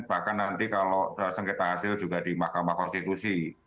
bahkan nanti kalau sengketa hasil juga di mahkamah konstitusi